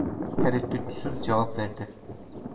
Tereddütsüz cevap verdi.